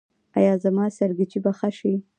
ایا زما سرگیچي به ښه شي؟